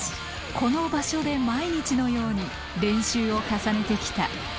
この場所で毎日のように練習を重ねてきた。